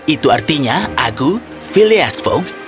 itu artinya aku phileas fogg